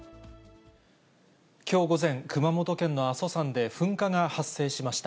きょう午前、熊本県の阿蘇山で噴火が発生しました。